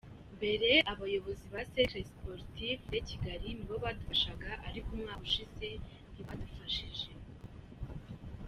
Mbere abayobozi ba serike Siporitife de Kigali nibo badufashaga ariko umwaka ushize ntibadufashije.